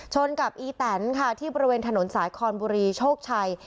ชนกับอีแตนค่ะที่บริเวณถนนสายคอนบุรีโชคชัย